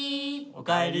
おかえり。